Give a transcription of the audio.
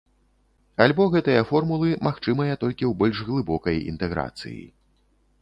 Альбо гэтыя формулы магчымыя толькі ў больш глыбокай інтэграцыі.